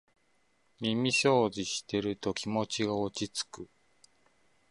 耳そうじしてると気持ちが落ちつく